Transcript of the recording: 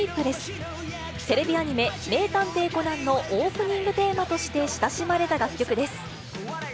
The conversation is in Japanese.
テレビアニメ、名探偵コナンのオープニングテーマとして親しまれた楽曲です。